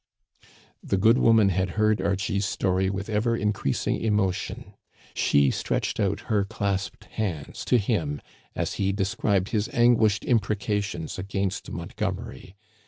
The good woman had heard Archie's story with ever increasing emotion. She stretched out her clasped hands to him as he described his anguished imprecations against Montgomeiy.